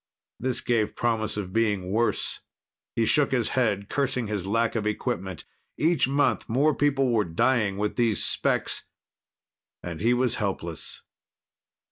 This gave promise of being worse. He shook his head, cursing his lack of equipment. Each month more people were dying with these specks and he was helpless.